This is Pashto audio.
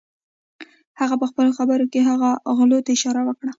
هغه پهخپلو خبرو کې هغو غلو ته اشاره وکړه.